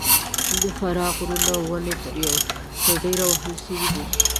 د فراه د غرونو ونې تر ډېره وهل سوي دي.